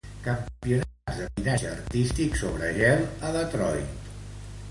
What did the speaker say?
Campionats de patinatge artístic sobre gel a Detroit.